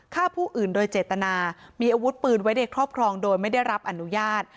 ฆ่าผู้อื่นโดยเจตนามีอาวุธปืนไว้ในครอบครองโดยไม่ได้รับอนุญาต